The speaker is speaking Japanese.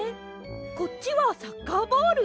こっちはサッカーボール。